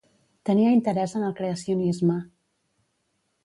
Tenia interès en el creacionisme.